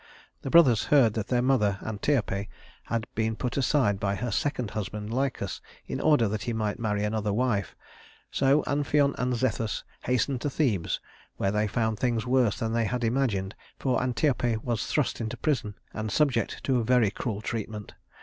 The brothers heard that their mother Antiope had been put aside by her second husband Lycus, in order that he might marry another wife; so Amphion and Zethus hastened to Thebes, where they found things worse than they had imagined, for Antiope was thrust into prison and subjected to very cruel treatment.